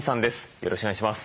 よろしくお願いします。